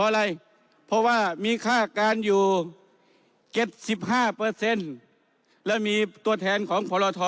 และมีตัวแทนของพลท